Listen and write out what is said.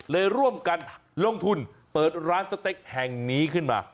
ร่วมกันลงทุนเปิดร้านสเต็กแห่งนี้ขึ้นมา